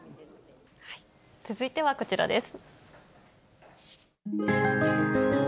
続いてはこちらです。